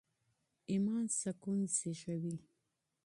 ایمان سکون زېږوي.